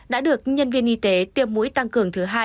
đã được nhân viên y tế tiêm mũi tăng cường thứ hai